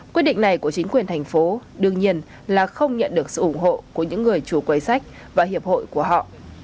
quyết định này của chính quyền thành phố đương nhiên là không nhận được sự ủng hộ của những người chủ quấy sách và hiệp hội của họ